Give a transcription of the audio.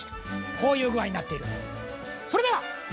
こういう具合になっているんです。